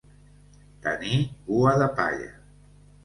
Tenir cua de palla.